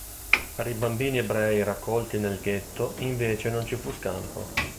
Per i bambini ebrei raccolti nel ghetto invece non ci fu scampo.